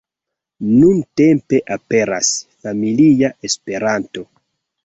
Nuntempe aperas "Familia Esperanto".